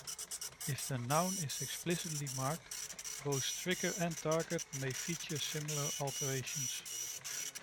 If the noun is explicitly marked, both trigger and target may feature similar alternations.